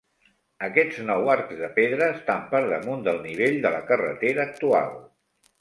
Aquests nou arcs de pedra estan per damunt del nivell de la carretera actual.